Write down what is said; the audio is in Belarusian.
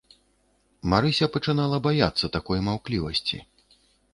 Марыся пачынала баяцца такой маўклівасці.